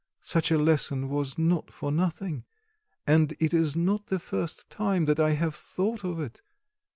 Such a lesson was not for nothing; and it is not the first time that I have thought of it.